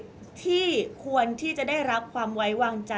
ก็ต้องฝากพี่สื่อมวลชนในการติดตามเนี่ยแหละค่ะ